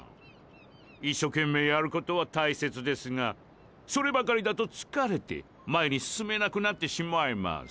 一生懸命やるコトは大切デスがソレばかりだと疲れテ前に進めなくなってシマイマス。